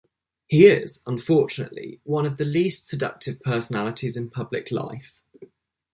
He is, unfortunately, one of the least seductive personalities in public life.